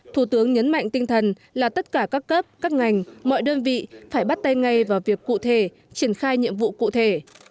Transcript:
thủ tướng nhấn mạnh tinh thần là tất cả các cấp các ngành mọi đơn vị phải bắt tay ngay vào việc cụ thể triển khai nhiệm vụ cụ thể